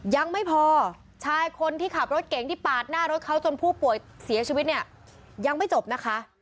ยังไม่พอชายคนที่ขับรถเก่งที่ปาดหน้ารถเขาจนผู้ป่วยเสียชีวิตเนี่ยยังไม่จบนะคะ